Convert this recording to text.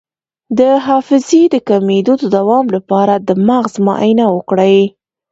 د حافظې د کمیدو د دوام لپاره د مغز معاینه وکړئ